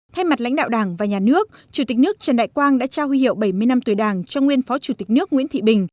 thay mặt lãnh đạo đảng và nhà nước chủ tịch nước trần đại quang đã trao huy hiệu bảy mươi năm tuổi đảng cho nguyên phó chủ tịch nước nguyễn thị bình